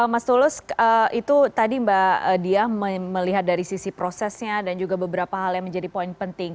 mas tulus itu tadi mbak diah melihat dari sisi prosesnya dan juga beberapa hal yang menjadi poin penting